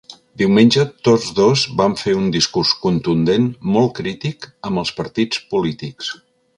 Diumenge tots dos van fer un discurs contundent molt crític amb els partits polítics.